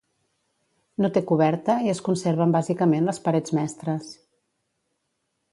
No té coberta i es conserven bàsicament les parets mestres.